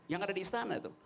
yang ada di istana itu